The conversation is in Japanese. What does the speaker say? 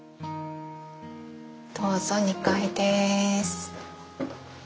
どうぞ２階です。